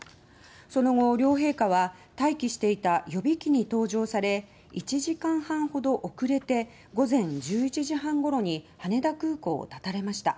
その後、両陛下は待機していた予備機に搭乗され１時間半ほど遅れて午前１１時半頃に羽田空港をたたれました。